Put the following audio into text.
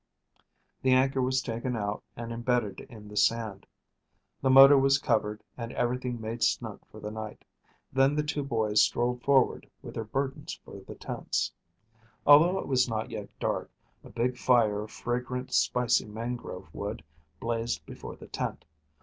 The anchor was taken out and imbedded in the sand. The motor was covered and everything made snug for the night. Then the two boys strolled forward with their burdens for the tents. Although it was not yet dark, a big fire of fragrant, spicy, mangrove wood blazed before the tent.